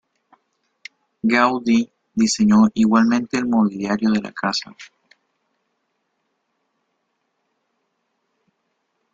Gaudí diseñó igualmente el mobiliario de la casa.